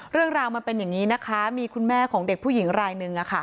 เรื่องราวมันเป็นอย่างนี้นะคะมีคุณแม่ของเด็กผู้หญิงรายหนึ่ง